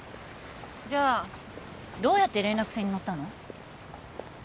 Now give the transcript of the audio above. じゃあどうやって連絡船に乗ったの？